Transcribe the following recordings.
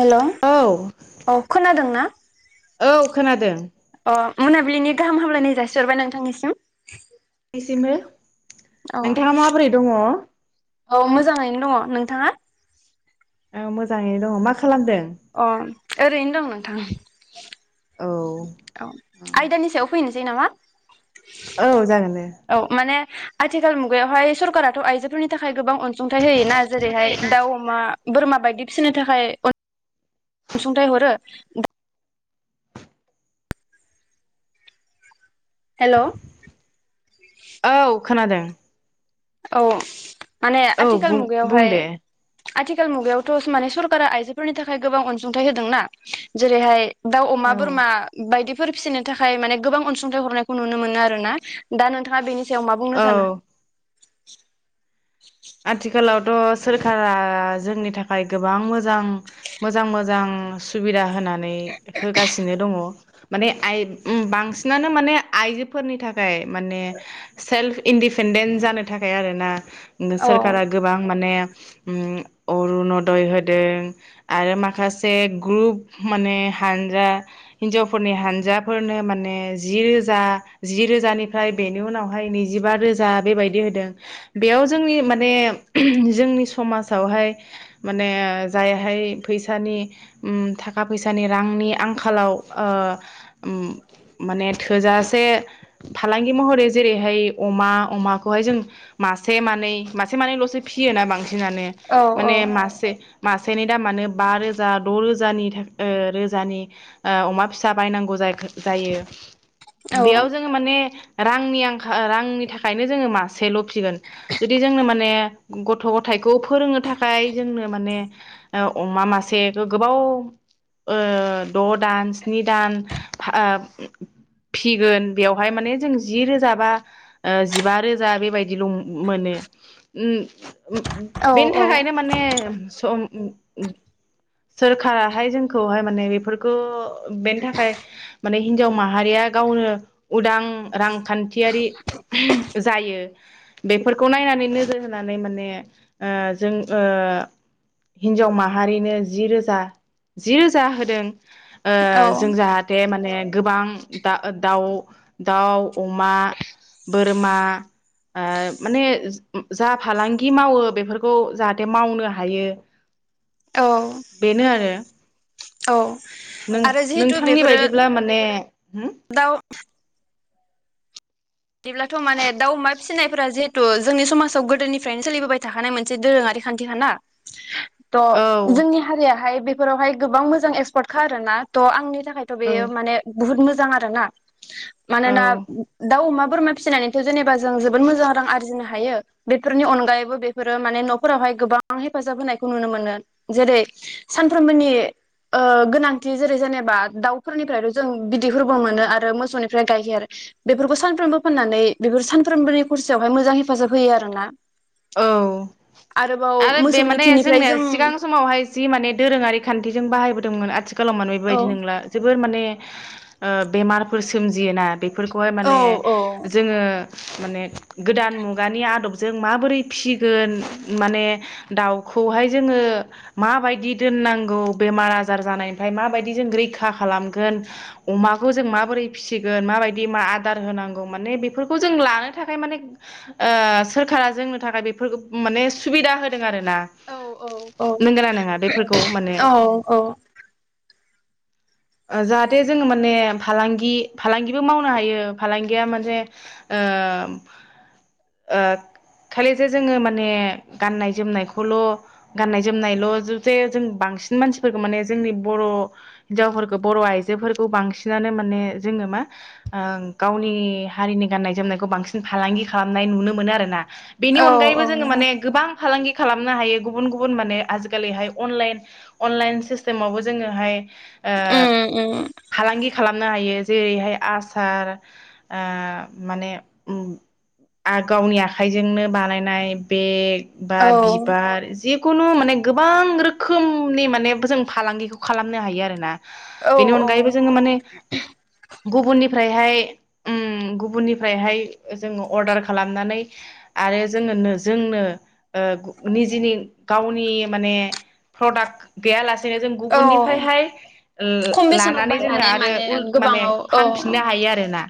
हेल' औ खोनादों ना औ खोनादों मोनाबिलिनि गाहाम हामलायनाय जासिहरबाय नोंथांनिसिम सिमबो औ नोंथाङा माबोरै दङ? औ मोजाङैनो दङ नोंथाङा? ओ मोजाङैनो दङ माख अ ओरैनो दं नोंथां। औ अ आइदानि सायाव फैनो सै नामा? औ जागोन दे। औ माने आथिखाल मुगायावहाय सरकाराथ' आइजोफोरनि थाखाय गोबां अनसुंथाइ होयोना जेरैहाय दाउ अमा बोरमा बायदि फिसिनो थाखाय अन सुंथाइ हरो हेल' औ खोनादों। औ माने औ आथिखाल बुं बुं मुगायावहाय दे आथिखाल मुगायावथ' माने सरकारा आइजोफोरनि थाखाय गोबां अनसुंथाइ होदोंना जेरैहाय दाउ अमा औ बोरमा बायदि फोर फिसिनो थाखाय माने गोबां अनसुंथाइ हरनायखौ नुनो मोनो आरो ना। दा नोंथाङा बेनि सायाव मा बुंनो सानो? आथिखालाव थ' सोरखारा जोंनि थाखाय गोबां मोजां मोजां मोजां सुबिदा होनानै होगासिनो दङ। माने आइ उम बांसिनानो माने आइजोफोरनि थाखाय माने सेल्फ इन्डिपेडेन्ट जानो थाखाय आरोना [unintelligible] औ सोरखारा गोबां माने उम अरुनदय होदों आरो माखासे ग्रुप माने हानजा हिन्जावफोरनि हानजाफोरनो माने जि रोजा जि रोजानिफ्राय बेनि उनावहाय नैजिबा रोजा बेबायदि होदों बेयाव जोंनि माने जोंनि समाजावहाय माने जायहाय फैसानि उम थाखा फैसानि रांनि आंखालाव ओ उम माने थोजासे फालांगि महरै जेरैहाय अमा अमाखौहाय जों मास से मानै मासे मानैलसो फियोना बांसि सिनानो औ औ माने मासे मासेनि दामानो बा रोजा द‌ रोजानि थाक ओ रोजानि ओ अमा फिसा बायनांगौ जाक जायो। औ बेयाव जोङो माने रांनि आं खा ओ रांनि थाखायनो जोङो मास सेल फिगोन जुदि जोंनो माने गथ' गथाइखौ फोरोंनो थाखाय जोंनो माने ओ अमा मासे गोबाव ओ द दान स्नि दान फा ओ फिगोन बेवहाय माने जों जि रोजा बा ओ जिबा रोजा बेबायदिलम मोनो उम [unintelligible] बेनि औ थाखायनो माने सम उम सोरखाराहाय जोंखौहाय माने बेफोरखौ बेनि थाखाय माने हिनजाव माहारिया गावनो उदां रांखान्थियारि जायो बेफोरखौ नायनानै नोजोर होनानै माने ओ जों ओ हिन्जाव माहारिनो जि रोजा जि रोजा होदों ओ औ जों जाहाथे माने गोबां दा दाउ - दाउ अमा बोर रमा ओ माने जा फालांगि मावो बेफोरखौ जाहाथे मावनो हायो औ बेनो आरो औ आरो जिहेथु नों-नोंथांनि बेफोरो बायदिब्ला माने हो दाउ बिदिब्लाथ' माने दाउ अमा फिसिनायफोरा जिहेतु जोंनि समाजाव गोदोनिफ्रायनो सोलिबोबाय थाखानाय मोनसे दोरोङारि खान्थिखा ना थ' औ जोंनि हारियाहाय बे फोरावहाय गोबां मोजां एक्सपार्टखा आरोना थ' आंनि थाखा खायथ' औ बेयो मान बहुत मोजां आरो [unintelligible] ना औ मानोना दाउ अमा बोरमा फिसिनानैथ' जेनेबा जों जोबोद मोजां रां आरजिनो हायो बेफोरनि अनगायैबो बैफेरो माने न' फोरावहाय गोबां हेफाजाब होनायखौ नुनो मोनो जेरै सानफ्रोमबोनि ओ गोनांथि जेरै जेनेबा दाउ फोरनिफ्रायबो जों बिदैफोरबो मोनो आरो मोसौनिफ्राय गाइखेर बेफोरबो सानफ्रोमबो फाननानै बेफोर सानफ्रोमबोनि खरसायावहाय मोजां हेफाजाब होयो आरो ना औ आरो बे मोसौनि माने खिनिफ्राय जोंनिया जों सिगां समावहाय जि माने दोरोङारि खान्थिजों बाहायबोदों दोंमोन आथि खालाव माने औ बेबायदि नंला जोबोर माने ओ बेमारफोर सो सोमजियोना बेफोरखौहाय औ माने औ जोङो माने गोदान मुगानि आदबजों माबोरै फिसिगोन माने दाउखौहाय जोङो माबायदि दोननांगौ बेमार आजार जानायनिफ्राय माबायदि जों रैखा खालामगोन अमाखौ जों माबोरै फिसिगोन माबायदि मा आदार होनांगौ माने बेफोरखौ जों लानो थाखाय माने ओ सोरखारा जों थाखाय बेफोरखौ माने सुबिदा होदों आरो औ औ बेफोरखौ माने औ औ औ जाहाथे जोङो माने फालांगि फालांगिबो मावनो हायो फालांगिया मोनसे ओ खालिसो जोङो माने गाननाय जोमनायखौल' गाननाय जोमनायल' जे जों बांसिन मानसिफोरखौ माने जोंनि बर' हिनजावफोर बर' आइजोफोरखौ बांसिनानो माने जोङो मा ओ गावनि हारिनि गाननाय जोमनायखौ बांसिन फालांगि खालामनाय नुनो मोनो आरोना बेनि औ औ अनगायैबो जोङो उम माने गोबां फालांगि खालामनो हायो गुबुन गुबुन माने आजिखालिहाय अनलाइन अनलाइन सिस्टेमावबो जोङोहाय उम फालांगि खालाम खालामनो हायो जेरैहाय आसार ओ माने आ गावनि आखाइजोंनो बानायनाय बेग बा औ बिबार जि कुनु माने गोबां रोखोमनि माने जों फालांगिखौ खालामनो हायो आरोना। औ बेनि अनगायैबो औ जोङो माने गुबुननिफ्रायहाय उम गुबुननिफ्रायहाय जोङो अर्डार खालामनानै आरो जोङोनो नो जोंनो निजेनि गावनि माने प्रडाक्ट गैयालास सेनो जों औ गुबुननिफ्रायहाय खम बेसेनाव लानानै जोङो बायनानै आरो माने उल माने गोबाङाव औ फानफिननो हायो आरोना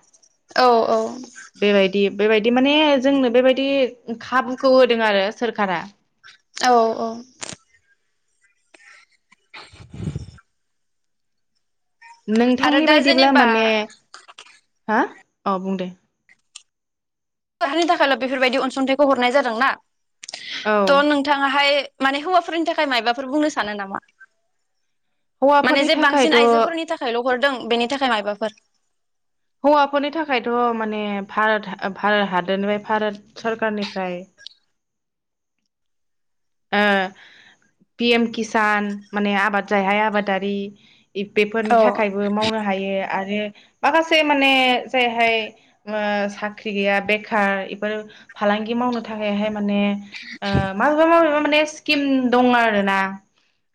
औ बेबायदि बेबायदि माने जोंनो बेबायदि खाबुखौ होदों आरो सोरखारा। औ औ। [inaudible] आरो नोंथांनि दा बायदिब्ला जेनेबा माने हा! औ बुं दे [unintelligible] नि थाखायल' बेफोरबायदि अनसुंथाइखौ हरनाय जादों ना? औ थ' नोंथाङाहाय माने हौवाफोरनि थाखाय मायबाफोर बुंनो सानो नामा? माने हौवाफोरनि जे बांसिन थाखायथ' आइजोफोरनि थाखायल' हरदों बेनि थाखाय मायबाफोर हौवाफोरनि थाखायथ' माने भारत भारत हादरनिफ्राय भारत सरकारनिफ्राय ओ पि एम किसान माने आबाद जायहाय आबादारि इ बेफोरनि औ थाखायबो मावनो हायो। आरो माखासे माने जायहाय ओ साख्रि गैया बेखार इफोर फालांगि मावनो थाखायहाय माने ओ माबेबा माबेबा माने स्किम दं आरोना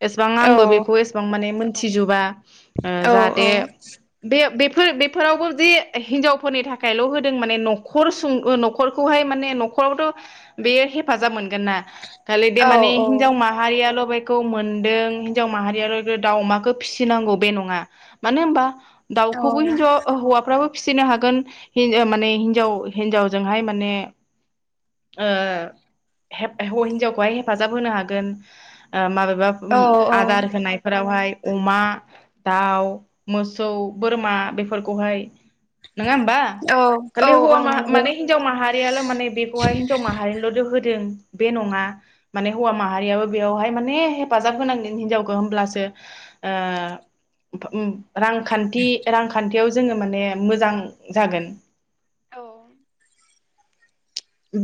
एसेबां औ आंबो बेखौ एसेबां माने मोन थिजुबा ओ औ जाहाथे बे बे फोर बेफोरावबो जे हिनजावफोरनि थाखायल' होदों माने न'खर सुं ओ न'खरखौहाय माने न'खरावथ' बेयो हेफाजाब मोनगोन ना। खालि दे औ माने हिनजाव माहारियाल' सहायखौ मोनदों हिनजाव माहारियाल दाउ अमाखौ फिसिनांगौ बे नङा मानो होमबा औ दाउखौबो हिजावा हौवाफ्राबो फिसिनो हागोन हिन ओ माने हिजाव हिनजावजोंहाय माने ओ [unintelligible] खौहाय हेफाजाब होनो हागोन। ओ माबे बा औ उम आदार होनाय फोरावहाय अमा दाउ मोसौ बोरमा बेफोरखौहाय नोङा होमबा औ औ खालि औ हौवा मा नंगौ माने हिनजाव माहारियाल' माने बेखौहाय हिनजाव माहारिनिल'दि होदों बे नङा। माने हौवा माहारियाबो बेवहाय माने हेफाजाब होनांगोन हिनजावखौ होमब्लासो ओ [unintelligible] रांखान्थि-रांखान्थि बेयाव जोङो माने मोजां जागोन औ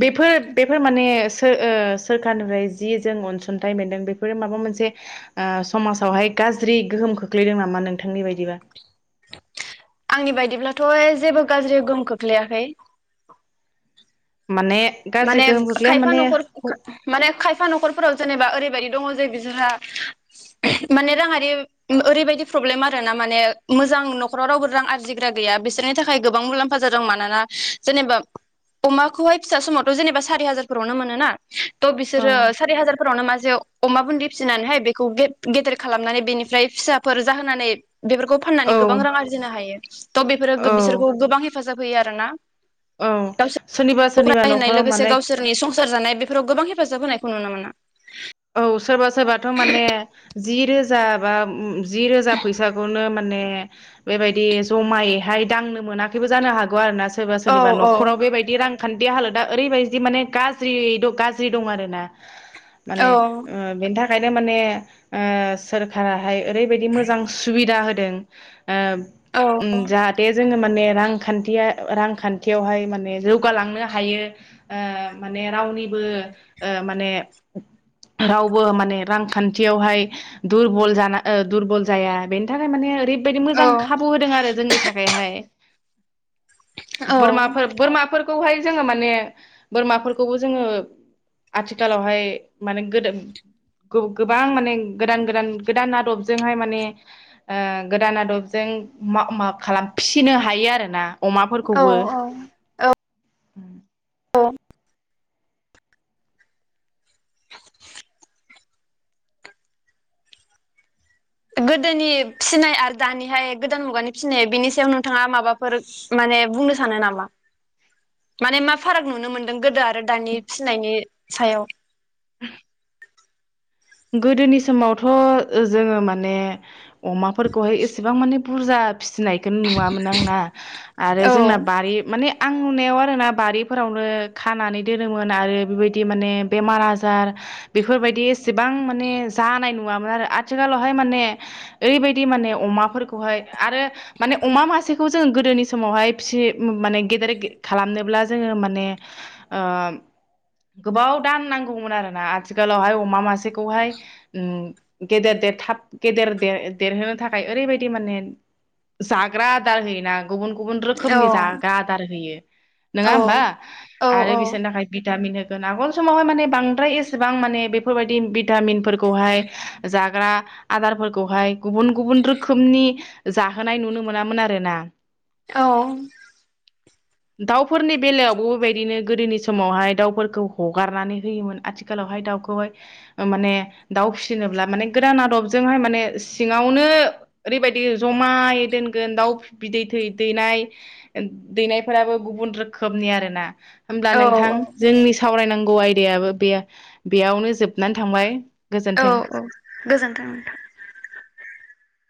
बेफोर बेफोर माने सो ओ सोरखारनिफ्राय जि जों अनसुंथाइ मोनदों बेफोरो माबा मोनसे ओ समाजावहाय गाज्रि गोहोम खोख्लैदों नामा नोंथांनि बायदिबा आंनि बायदिब्लाथ' जेबो गाज्रि गोहोम खोख्लैयाखै माने गाज्रि माने गोहोम खोख्लैया खायफा माने नखर माने खायफा न'खरफोराव जेनेबा ओरैबायदि दङ जे बिसोरहा माने राङारि ओरैबायदि प्रब्लेम आरोना माने मोजां न'खाव रावबो रां आरजिग्रा गैया बिसोरनि थाखाय गोबां मुलाम्फा जादों मानोना जेनेबा अमाखौहाय फिसा समाव जेनेबा सारि हाजारफोरावनो मोन ना थ औ बिसोरो सारि हाजार फोरावनो मासे अमा बुन्दि फिसिनानैहाय बेखौ गे गेदेर खालामनानै बेनिफ्राय फिसाफोर जाहोनानै बेफोरखौ औ फाननानै गोबां रां आरजिनो हायो त' बेफोरो औ बिसोरखौ गोबां हेफाजाब होयो आरोना औ गावसोर सोरनिबा सोरनिबा न फरायहोनाय लोगोसे गावसोरनि संसार जानाय बेफोराव गोबां हेफाजाब होनायखौ नुनो मोना औ सोरबा सोरबाथ' माने जि रोजा बा जि रोजा फैसाखौनो माने बेबायदि जमायैहाय दांनो मोनाखैबो जानो हागौ आरो ना सोरबा औ सोरनिबा औ न'खराव बेबायदि रां खान्थि हालोदा ओरैबायदि माने गाज्रियै गाज्रि दं आरोना औ माने ओ बेनि थाखाय ओंखायनो माने ओ सोरखारा हाय बायदि मोजां सुबिदा हो दों ओ म जाहाथे जोङो माने रांखान्थिया रांखान्थियावहाय माने जौगालांनो हायो ओ माने रावनिबोओ माने रावबो माने रांखान्थियावहाय दुरबल जाना दुरबल जाया बेनि थाखाय माने ओरै बादि मोजां खाबु होदों आरो जोंनि थाखायहाय औ बोरमाफोर बोरमाफोर खौहाय जोङो माने बोरमाफोरखौबो जोङो आथिखालावहाय माने गोदो गो गोबां माने गोदान गोदान गोदान आदबजोंहाय माने ओ गोदान आदबजों मा मा खालाम फिसिनो हायो आरो ना औ अमाफोरखौबो ब गोदोनि फिसिनाय आरो दानिहाय गोदान मुगानि फिसिनाय बेनि सायाव नोंथाङा माबाफोर माने बुंनो सानो नामा माने मा फाराग नुनो मोनदों गोदो आरो दानि फिसिनायनि सायाव [inaudible] गोदोनि समावथ' जोङो माने अमाफोरखौहाय एसेबां मानि बुरजा फिसिनायखौनो नुवामोन आंना आरो औ जोंना बारि माने आं नुनायाव आरोना बारिफोरावनो खानानै दोनोमोन आरो बेबायदि माने बेमार आजार बेफोरबायदि एसेबां माने जानाय नुवामोन आरो आथिखालावहाय माने ओरैबायदि माने अमाफोरखौहाय आरो माने अमा मासेखौ जों गोदोनि समावहाय फिसि माने गेदेर खालामनोब्ला जोङो माने ओ गोबाव दान नांगौमोन आर ना आथिखालावहाय अमा मासे सेखौहाय उम गेदेर देरथाब गेदेर देर देरहोनो थाखाय ओरैबायदि माने जाग्रा आदार होयोना गुबुन गुबुन औ रोखोमनि जाग्रा आदार होयो नङा औ होमबा औ आरो बिसोरनि थाखाय दा बिनो गोनां उन समावहाय माने बांद्राय एसेबां माने बेफोरबायदि दी बि भिटामिनफोरखौहाय जा आ आदारफोरखौहाय गुबुन गुबुन रोखोमनि जाहोनाय नुनो मोनामोन आरोना औ दाउफोरनि बेलायावबो बिदिनो गोदोनि समावहाय दाउफोरखौ हगारनानै होयोमोन आथिखालावहाय दाउखौहाय माने दाउ फिसिनोब्ला माने गोदान आदबजोंहाय माने सिङावनो ओरैबायदि जमायै दोनगोन दाउ बिदै थै दैनाय दैनायफोराबो गुबुन रोखोमनि आरो ना होमब्ला औ नोंथां जोंनि सावरायनां गौ आयदायाबो बे बेयावनो जोब नानै थांबाय औ गोजोन्थों औ गोजोनथों नोंथां।